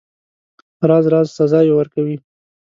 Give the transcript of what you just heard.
راز راز سزاوي ورکوي.